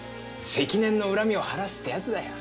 積年の恨みを晴らすってやつだよ。